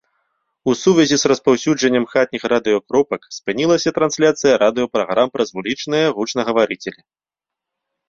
У сувязі з распаўсюджваннем хатніх радыёкропак спынілася трансляцыя радыёпраграм праз вулічныя гучнагаварыцелі.